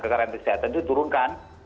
kekarantinan kesehatan itu turunkan